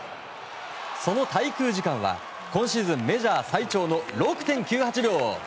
その滞空時間は今シーズンメジャー最長の６．９８秒。